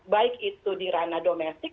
baik itu di ranah domestik